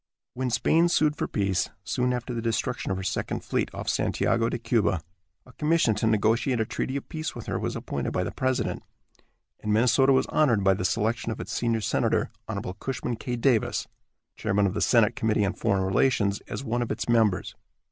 When Spain sued for peace, soon after the destruction of her second fleet off Santiago de Cuba, a commission to negotiate a treaty of peace with her was appointed by the president, and Minnesota was honored by the selection of its senior senator, Hon. Cushman K. Davis, chairman of the senate committee on foreign relations, as one of its members.